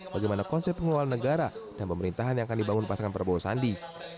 bagaimana konsep pengelolaan negara dan pemerintahan yang akan dibangun pasangan prabowo sandi